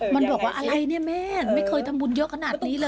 มันบอกว่าอะไรเนี่ยแม่ไม่เคยทำบุญเยอะขนาดนี้เลย